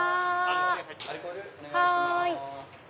はい。